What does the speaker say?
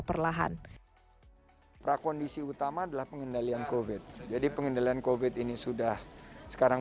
perlahan prakondisi utama adalah pengendalian covid jadi pengendalian covid ini sudah sekarang